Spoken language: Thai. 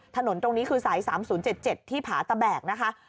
ถนนตรงนี้คือสาย๓๐๗๗ที่ผาตะแบกนะคะ